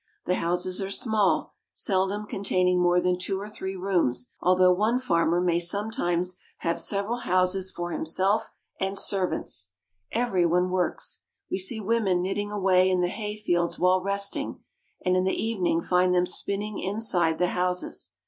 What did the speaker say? The houses are small, seldom containing more than two or three rooms, although one farmer may some times have several houses for himself and servants. Every one works. We see women knitting away in the hay l8o SCANDINAVIA. fields while resting, and in the evening find them spinning inside the houses.